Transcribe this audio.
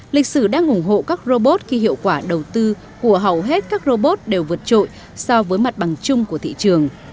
lịch sử đang ủng hộ các robot khi hiệu quả đầu tư của hầu hết các robot đều vượt trội so với mặt bằng chung của thị trường